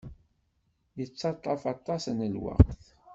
Yettaṭṭaf aṭas n lweqt.